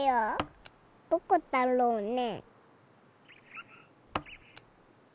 どこだろうね？